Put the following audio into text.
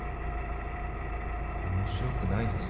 面白くないです。